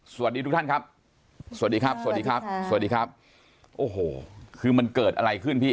สวัสดีทุกท่านครับสวัสดีครับสวัสดีครับสวัสดีครับโอ้โหคือมันเกิดอะไรขึ้นพี่